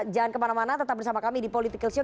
jangan kemana mana tetap bersama kami di political show